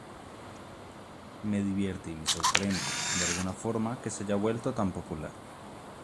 Me divierte y me sorprende, de alguna forma, que se haya vuelto tan popular.